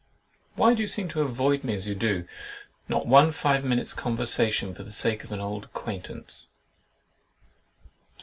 Why do you seem to avoid me as you do? Not one five minutes' conversation, for the sake of old acquaintance?